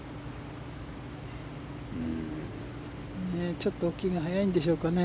ちょっと起きが早いんでしょうかね。